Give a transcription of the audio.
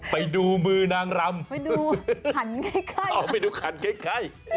ไปดูมือนางรำขันใกล้ไปดูขันใกล้